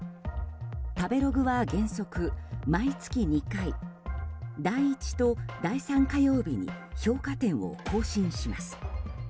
食べログは原則、毎月２回第１と第３火曜日に評価点を更新します。